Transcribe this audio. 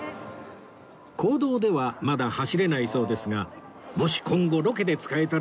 公道ではまだ走れないそうですがもし今後ロケで使えたらラクそうですね